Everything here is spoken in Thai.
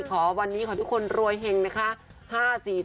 ขอวันนี้ขอทุกคนรวยเห็งนะคะ